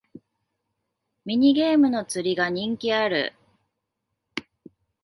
ミニゲームの釣りが人気ある